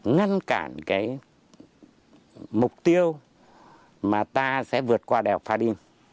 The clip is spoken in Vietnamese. ngăn cản mục tiêu mà ta sẽ vượt qua đèo pha đinh